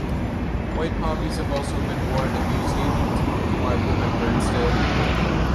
White poppies have also been worn in New Zealand to mark Remembrance Day.